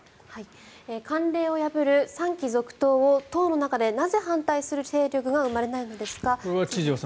慣例を破る３期続投を党の中でなぜ反対する勢力が生まれないのですか。